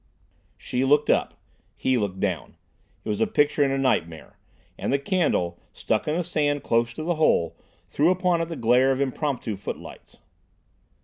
She looked up; he looked down. It was a picture in a nightmare, and the candle, stuck in the sand close to the hole, threw upon it the glare of impromptu footlights.